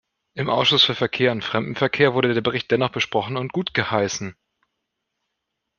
Im Ausschuss für Verkehr und Fremdenverkehr wurde der Bericht dennoch besprochen und gutgeheißen.